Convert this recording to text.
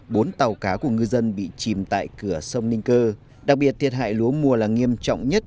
bốn tàu cá của ngư dân bị chìm tại cửa sông ninh cơ đặc biệt thiệt hại lúa mùa là nghiêm trọng nhất